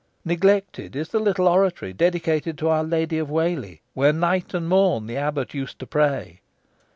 Neglected is the little oratory dedicated to Our Lady of Whalley, where night and morn the abbot used to pray.